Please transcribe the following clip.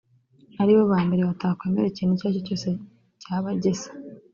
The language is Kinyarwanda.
ari bo ba mbere batakwemera ikintu icyo ari cyo cyose cyaba gisa